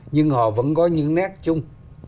nhưng họ vẫn có những nét chung